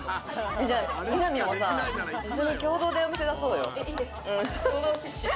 みなみもさぁ、一緒に共同でお店出そうよ。